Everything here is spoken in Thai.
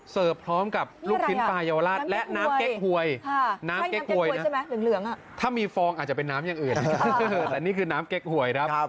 พร้อมกับลูกชิ้นปลาเยาวราชและน้ำเก๊กหวยน้ำเก๊กหวยถ้ามีฟองอาจจะเป็นน้ำอย่างอื่นแต่นี่คือน้ำเก๊กหวยครับ